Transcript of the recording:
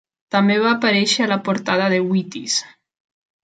També va aparèixer a la portada de Wheaties.